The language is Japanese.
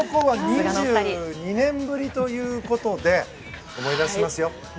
２２年ぶりということで思い出しますよ。